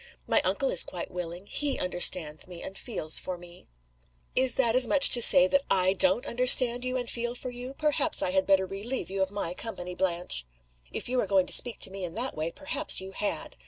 My uncle is quite willing. He understands me and feels for me." "Is that as much as to say that I don't understand you and feel for you? Perhaps I had better relieve you of my company, Blanche?" "If you are going to speak to me in that way, perhaps you had!"